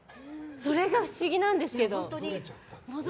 それが不思議なんですけど。